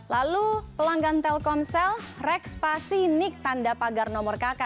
lalu pelanggan telkomsel rekspasi nik tanda pagar nomor kk